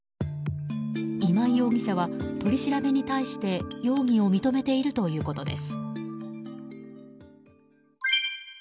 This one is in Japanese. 今井容疑者は取り調べに対して容疑を認めているということです。